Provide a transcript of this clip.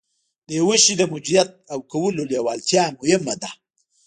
د يوه شي د موجوديت او کولو لېوالتيا مهمه ده.